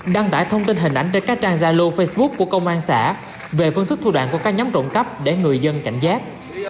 đăng tải thông tin hình ảnh trên các trang gia lô facebook của công an xã về phương thức thu đoạn của các nhóm trộm cắp để người dân cảnh giác